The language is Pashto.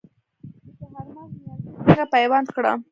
د چهارمغز نیالګي څنګه پیوند کړم؟